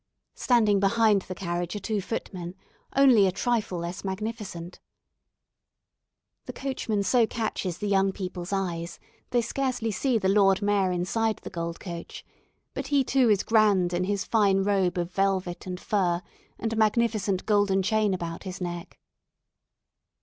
Standing behind the carriage are two footmen, only a trifle less magnificent. The coachman so catches the young people's eyes they scarcely see the Lord Mayor inside the gold coach, but he too is grand in his fine robe of velvet and fur, and a magnificent golden chain about his neck.